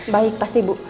baik pasti ibu